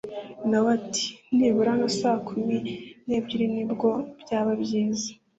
nawe ati nibura nka saa kumi nebyiri nibwo byaba byiza